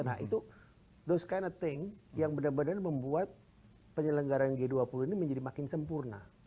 nah itu those kind of thing yang benar benar membuat penyelenggaraan g dua puluh ini menjadi makin sempurna